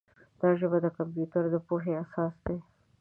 دا ژبه د کمپیوټر د پوهې اساس دی.